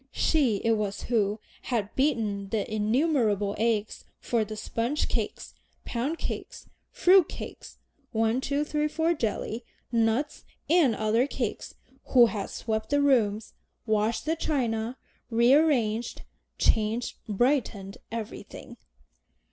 She it was who had beaten the innumerable eggs for the sponge cakes, pound cakes, fruit cakes, "one, two, three, four," jelly, nut and other cakes, who had swept the rooms, washed the china, rearranged, changed, brightened everything.